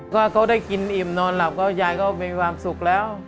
ก็เขาได้กินอิ่มนอนหลับก็ยายก็มีความสุขแล้ว